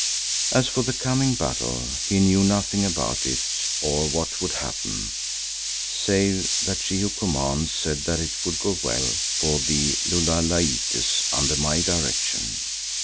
As for the coming battle, he knew nothing about it or what would happen, save that She who commands said that it would go well for the Lulalaites under my direction.